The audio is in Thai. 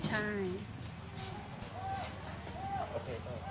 ใช่ใช่